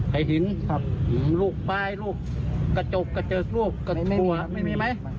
ไอ้หินลูกปลายลูกกระจกกระเจิกลูกกระมั่วไม่มีไหม